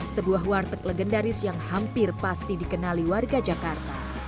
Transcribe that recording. sebuah warteg legendaris yang hampir pasti dikenali warga jakarta